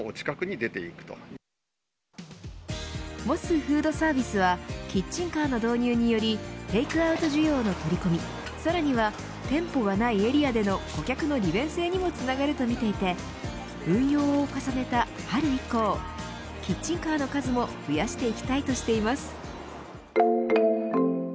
モスフードサービスはキッチンカーの導入によりテークアウト需要の取り組みさらには店舗がないエリアでの顧客の利便性にもつながると見ていて運用を重ねた春以降キッチンカーの数も増やしていきたいとしています。